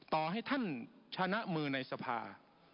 ต่อให้ท่านชนะมือในสภา